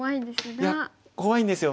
いや怖いんですよ。